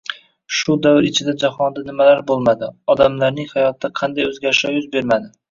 Shu davr ichida jahonda nimalar boʻlmadi, odamlarning hayotida qanday oʻzgarishlar yuz bermadi